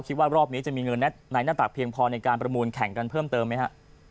คิดว่ารอบนี้จะมีเงินในหน้าตักเพียงพอในการประมูลแข่งกันเพิ่มเติมไหมฮะ